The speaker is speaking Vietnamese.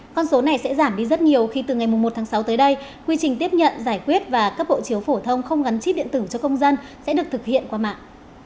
con số này sẽ giảm đi rất nhiều khi từ ngày một tháng sáu tới đây quy trình tiếp nhận giải quyết và cấp hộ chiếu phổ thông không gắn chip điện tử cho công dân sẽ được thực hiện qua mạng